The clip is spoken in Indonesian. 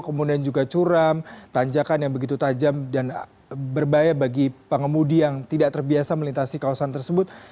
kemudian juga curam tanjakan yang begitu tajam dan berbahaya bagi pengemudi yang tidak terbiasa melintasi kawasan tersebut